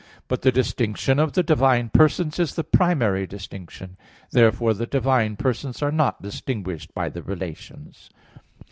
But the distinction of the divine persons is the primary distinction. Therefore the divine persons are not distinguished by the relations.